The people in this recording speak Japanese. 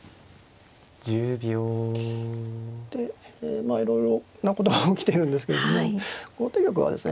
まあいろいろなことが起きているんですけれども後手玉はですね